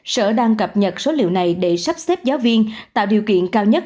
sở đang cập nhật số liệu này để sắp xếp giáo viên tạo điều kiện cao nhất